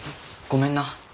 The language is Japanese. ごめんな。